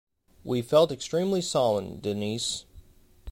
We felt extremely solemn, Denise.